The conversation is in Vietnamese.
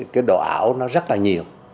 cái độ ảo nó rất là nhiều